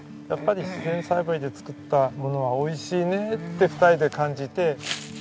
やっぱり自然栽培で作ったものはおいしいねって２人で感じて。